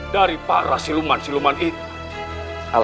dari para siluman siluman itu